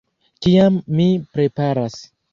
Kiam mi preparas